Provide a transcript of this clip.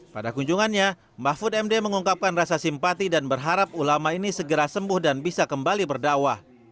pada kunjungannya mahfud md mengungkapkan rasa simpati dan berharap ulama ini segera sembuh dan bisa kembali berdakwah